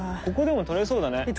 ここでも撮れそうだね。